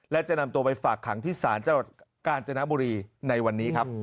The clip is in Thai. และจะนำตัวไปฝากขังที่ศาลจังหวัดกาญจนบุรีในวันนี้ครับ